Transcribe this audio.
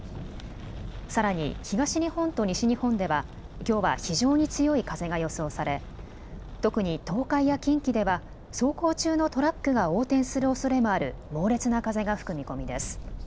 さらに東日本と西日本ではきょうは非常に強い風が予想され特に東海や近畿では走行中のトラックが横転するおそれもある猛烈な風が吹く見込みです。